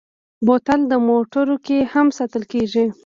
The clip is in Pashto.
بوتل د موټرو کې هم ساتل کېږي.